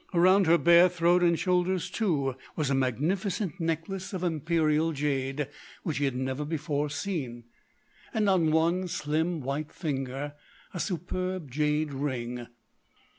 Around her bare throat and shoulders, too, was a magnificent necklace of imperial jade which he had never before seen; and on one slim, white finger a superb jade ring.